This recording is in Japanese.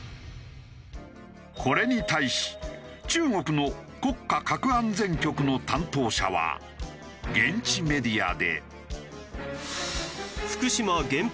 これに対し中国の国家核安全局の担当者は現地メディアで。